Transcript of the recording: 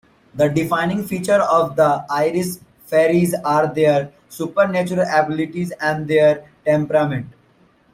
The defining features of the Irish fairies are their supernatural abilities and their temperament.